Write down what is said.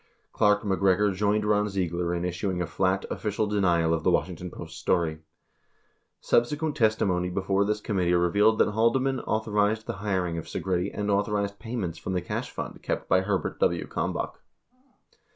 Clark MacGregor joined Ron Ziegler in issuing a flat, official denial of the Washington Post story. 3 Subse quent testimony before this committee revealed that Haldeman au thorized the hiring of Segretti and authorized payments from the cash fund kept by Herbert W. Kalmbach.